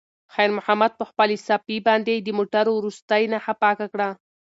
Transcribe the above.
خیر محمد په خپلې صافې باندې د موټر وروستۍ نښه پاکه کړه.